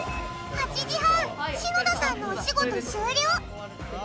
８時半篠田さんのお仕事終了。